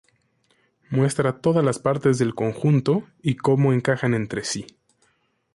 Muestra todas las partes del conjunto y cómo encajan entre sí.